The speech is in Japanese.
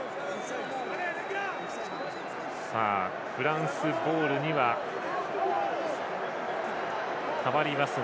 フランスボールには変わりますが。